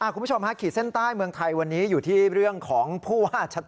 คุณผู้ชมฮะขีดเส้นใต้เมืองไทยวันนี้อยู่ที่เรื่องของผู้ว่าชัด